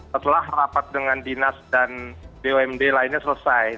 setelah rapat dengan dinas dan bumd lainnya selesai